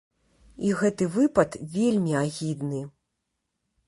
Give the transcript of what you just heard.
І гэты выпад вельмі агідны.